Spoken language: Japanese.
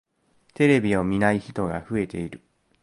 テレビを見ない人が増えている。